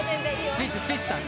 スピッツスピッツさん